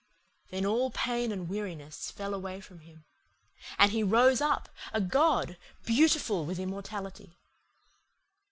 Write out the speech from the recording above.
Then all pain and weariness fell away from him, and he rose up, a god, beautiful with immortality.